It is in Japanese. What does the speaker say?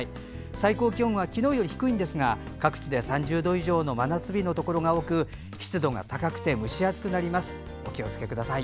最高気温は、昨日より低いですが各地で３０度以上の真夏日のところが多く湿度が高く蒸し暑くなりますので熱中症にお気を付けください。